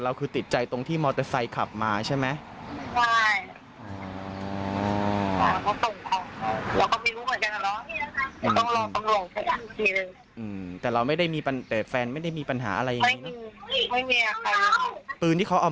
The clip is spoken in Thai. อันนี้เราก็ไม่เคยเห็นใช่ไหม